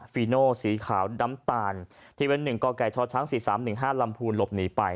สีขาวดำตาลที่เป็นหนึ่งก่อไก่ชอช้างสี่สามหนึ่งห้าลำพูนหลบหนีไป